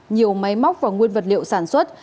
nhiều máy móc và nguyên vật liệu sản xuất